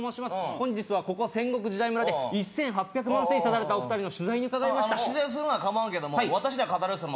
本日はここ戦国時代村で１８００万ステージ立たれたお二人の取材に伺いましたうん